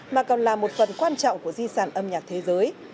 mà còn là một phần quan trọng của di sản âm nhạc thế giới